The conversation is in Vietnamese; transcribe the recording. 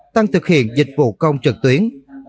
thực hiện dịch vụ công trực tuyến